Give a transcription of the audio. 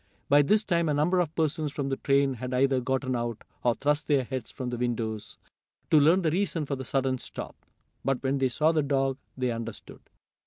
By this time a number of persons from the train had either gotten out, or thrust their heads from the windows, to learn the reason for the sudden stop. But when they saw the dog they understood.